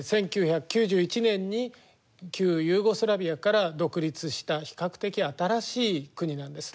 １９９１年に旧ユーゴスラビアから独立した比較的新しい国なんです。